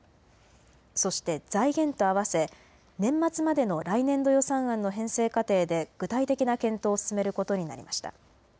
そして財源とあわせ年末までの来年度予算案の編成過程で具体的な検討を進めることになりました。